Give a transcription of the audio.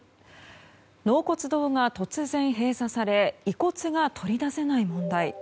納骨堂が突然閉鎖され遺骨が取り出せない問題。